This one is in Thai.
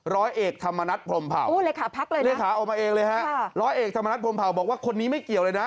ร้อยเอกธรรมนัฏพลมเผ่าร้อยเอกธรรมนัฏพลมเผ่าบอกว่าคนนี้ไม่เกี่ยวเลยนะ